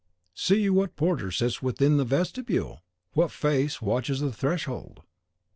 (See you what porter sits within the vestibule? what face watches at the threshold?)